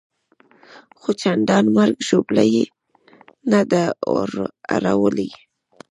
خو چندان مرګ ژوبله یې نه ده اړولې.